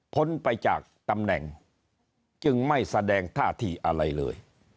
พ้นไปจากตำแหน่งจึงไม่แสดงท่าทีอะไรเลย